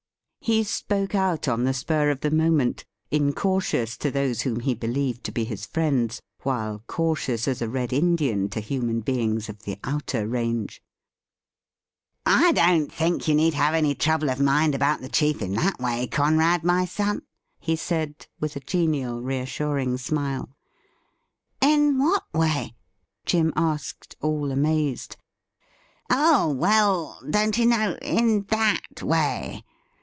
He spoke out on the spur of the moment — incau 'tious to those whom he believed to be his friends, while •cautious as a Red Indian to human beings of the outer range. ' I don't think you need have any trouble of mind about "'the chief in that way, Conrad, my son,' he said, with a .genial, reassuring smile. ' In what way .'" Jim asked, all amazed. ' Oh, well, don't you know, in that way.